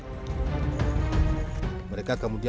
mereka kemudian mencari barang bukti lalu mencari barang bukti